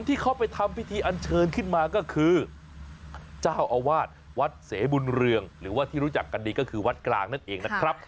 ที่เขาไปทำพิธีอันเชิญขึ้นมาก็คือเจ้าอาวาสวัดเสบุญเรืองหรือว่าที่รู้จักกันดีก็คือวัดกลางนั่นเองนะครับ